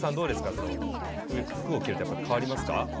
その服を着るとやっぱり変わりますか？